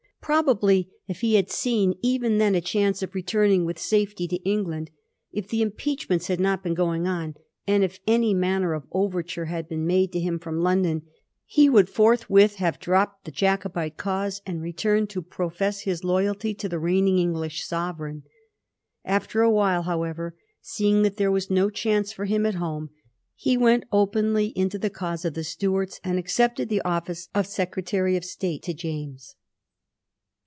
Probably, if he had seen even then a chance of returning with safety to England, if the impeachments had not been going on^ and if any manner of overture had been made to him from London, he would forthwith have dropped the Jacobite cause, and returned to profess his loyalty to the reigning English sovereign. After a while, how ever, seeing that there was no chance for him at home, he went openly into the cause of the Stuarts, and accepted the office of Secretary of State to James.